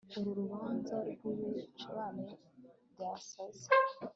uru rubanza rw'ibicurane byasaze